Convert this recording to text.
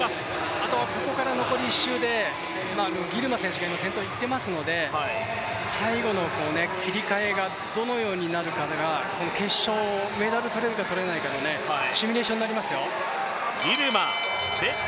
あとはここから１周で今ギルマ選手がいっていますので最後の切り替えがどのようになるかが、決勝のメダルを取れるか取れないかのシミュレーションになりますよ。